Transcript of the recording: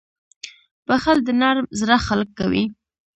• بښل د نرم زړه خلک کوي.